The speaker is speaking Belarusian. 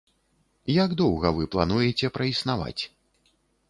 Як доўга вы плануеце праіснаваць?